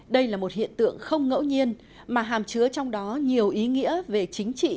đây là một hiện tượng không ngẫu nhiên mà hàm chứa trong đó nhiều ý nghĩa về chính trị